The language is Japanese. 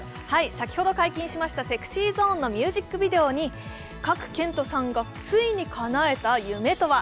先ほど解禁しましたＳｅｘｙＺｏｎｅのミュージックビデオに賀来賢人さんがついにかなえた夢とは？